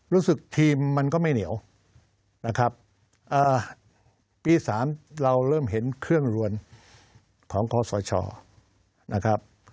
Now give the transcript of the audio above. รู้สึกทีมมันก็ไม่เหนียวนะครับปี๓เราเริ่มเห็นเครื่องรวนของคอสชนะครับ